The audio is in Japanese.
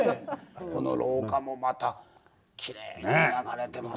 この廊下もまたきれいに磨かれてますね。